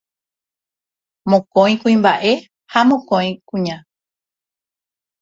Mokõi kuimba'e ha mokõi kuña.